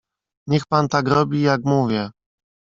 "Niech pan tak robi, jak mówię."